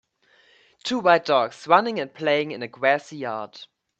Two white dogs running and playing in a grassy yard.